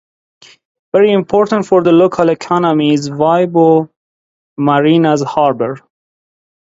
Very important for the local economy is Vibo Marina's harbour.